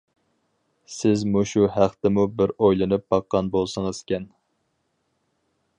سىز مۇشۇ ھەقتىمۇ بىر ئويلىنىپ باققان بولسىڭىزكەن.